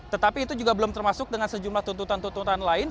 tetapi itu juga belum termasuk dengan sejumlah tuntutan tuntutan lain